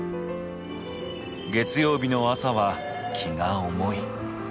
月曜日の朝は気が重い。